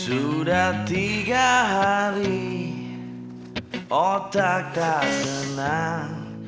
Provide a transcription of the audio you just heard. sudah tiga hari otak tak tenang